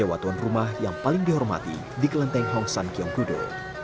dewa tuan rumah yang paling dihormati di kelenteng hong san kiong gudo